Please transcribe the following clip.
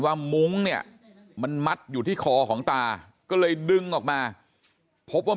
มุ้งเนี่ยมันมัดอยู่ที่คอของตาก็เลยดึงออกมาพบว่า